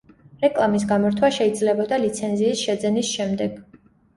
რეკლამის გამორთვა შეიძლებოდა ლიცენზიის შეძენის შემდეგ.